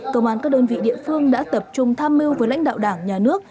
công an các đơn vị địa phương đã tập trung tham mưu với lãnh đạo đảng nhà nước